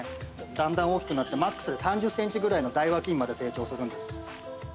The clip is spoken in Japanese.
だんだん大きくなってマックスで３０ｃｍぐらいの大和金まで成長するんです